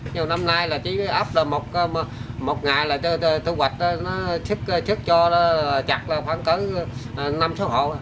nhưng năm nay là chỉ ấp một ngày là thu hoạch nó thức cho chặt khoảng năm sáu hộ